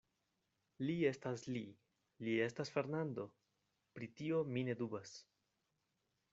Li estas Li; li estas Fernando; pri tio mi ne dubas.